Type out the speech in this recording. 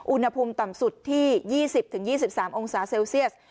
อุณหภูมิต่ำสุดที่๒๐๒๓องศาเซลเซียส